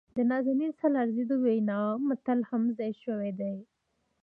د نازنین سالارزي د وينا متن هم ځای شوي دي.